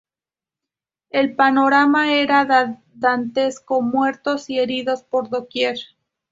El panorama era dantesco: muertos y heridos por doquier".